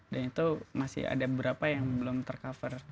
dan itu masih ada beberapa yang belum tercover